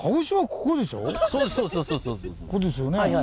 ここですよね。